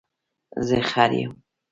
زه خر یم